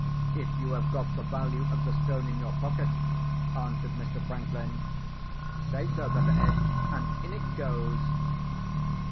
"If you have got the value of the stone in your pocket," answered Mr. Franklin, "say so, Betteredge, and in it goes!"